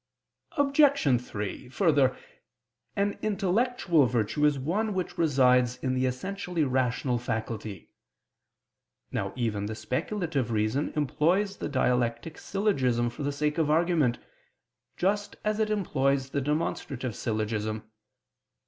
Obj. 3: Further, an intellectual virtue is one which resides in the essentially rational faculty. Now even the speculative reason employs the dialectic syllogism for the sake of argument, just as it employs the demonstrative syllogism.